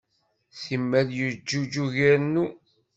Simal yeǧǧuǧug irennu.